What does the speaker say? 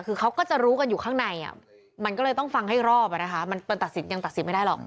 คือเขาก็จะรู้กันอยู่ข้างในมันก็เลยต้องฟังให้รอบมันตัดสินยังตัดสินไม่ได้หรอก